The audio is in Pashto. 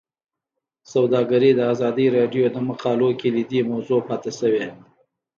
سوداګري د ازادي راډیو د مقالو کلیدي موضوع پاتې شوی.